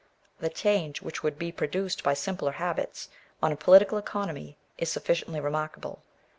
The change which would be produced by simpler habits on political economy is sufficiently remarkable.